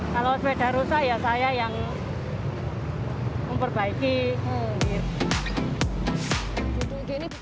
kalau sepeda rusak ya saya yang memperbaiki